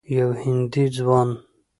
یو هندي ځوان